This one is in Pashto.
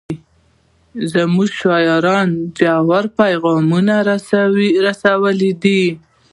زموږ شاعرانو ژور پیغامونه رسولي دي.